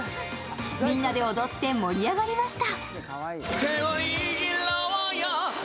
みんなで踊って盛り上がりました。